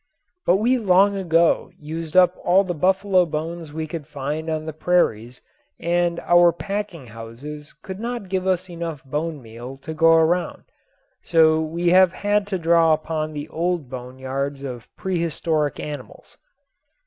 But we long ago used up all the buffalo bones we could find on the prairies and our packing houses could not give us enough bone meal to go around, so we have had to draw upon the old bone yards of prehistoric animals.